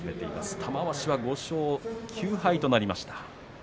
玉鷲は５勝９敗となりました。